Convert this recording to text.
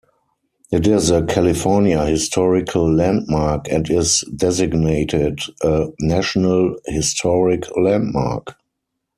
It is a California Historical Landmark and is designated a National Historic Landmark.